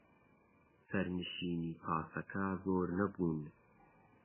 سەرنشینی پاسەکە زۆر نەبوون.